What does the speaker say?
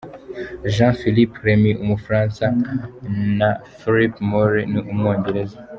Jean Philippe Remy ni umufaransa na yo Phil Moore ni umwongereza.